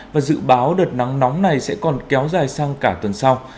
và dự báo đợt nắng nóng này sẽ còn kéo dài sang cả tuần sau